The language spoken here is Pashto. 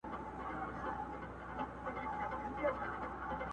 !.آسمانه چېغو ته مي زور ورکړه!.